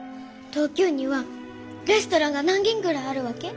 東京にはレストランが何軒ぐらいあるわけ？